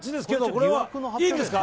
これは、いいですか？